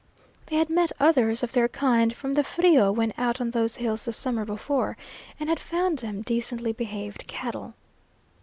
They had met others of their kind from the Frio when out on those hills the summer before, and had found them decently behaved cattle.